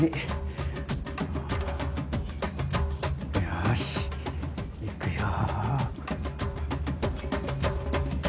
よしいくよ。